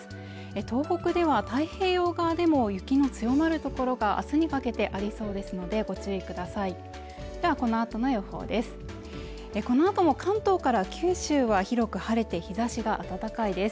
東北では太平洋側でも雪の強まる所があすにかけてありそうですのでご注意くださいではこのあとの予報です